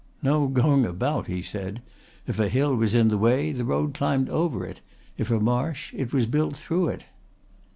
"No going about!" he said. "If a hill was in the way the road climbed over it; if a marsh it was built through it."